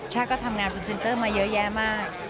ชาติก็ทำงานพรีเซนเตอร์มาเยอะแยะมาก